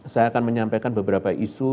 saya akan menyampaikan beberapa isu